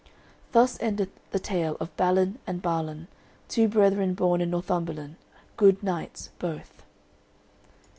Thus endeth the tale of Balin and Balan, two brethren born in Northumberland, good knights both.